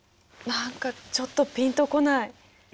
何かちょっとピンとこない。